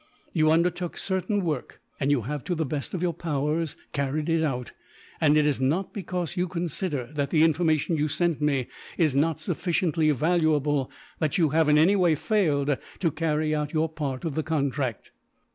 You undertook certain work, and you have to the best of your powers carried it out; and it is not because you consider that the information you sent me is not sufficiently valuable that you have, in any way, failed to carry out your part of the contract.